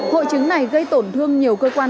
hội chứng này gây tổn thương nhiều cơ quan